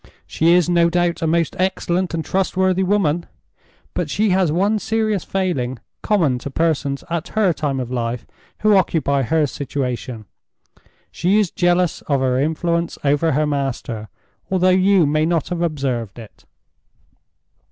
She is, no doubt, a most excellent and trustworthy woman, but she has one serious failing common to persons at her time of life who occupy her situation—she is jealous of her influence over her master, although you may not have observed it."